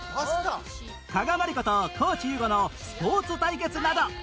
加賀まりこと地優吾のスポーツ対決など